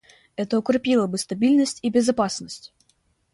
Это укрепило бы стабильность и безопасность.